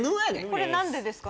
これ何でですか？